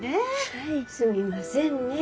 はいすみませんねぇ。